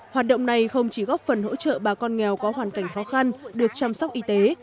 hoạt động này không chỉ góp phần hỗ trợ bà con nghèo có hoàn cảnh khó khăn được chăm sóc y tế